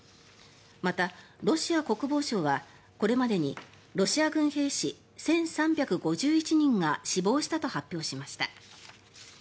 また、ロシア国防省はこれまでにロシア軍兵士１３５１人が死亡したと発表しました。